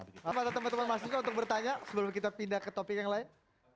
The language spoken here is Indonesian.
apa atau teman teman mas dika untuk bertanya sebelum kita pindah ke topik yang lain